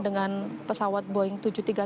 dengan pesawat boeing tujuh ratus tiga puluh